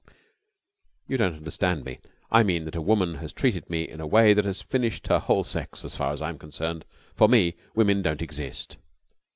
"You don't understand me. I mean that a woman has treated me in a way that has finished her whole sex as far as I am concerned. For me, women do not exist."